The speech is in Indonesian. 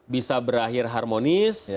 bisa berakhir harmonis